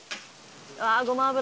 ああごま油。